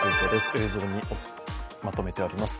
映像をまとめてあります。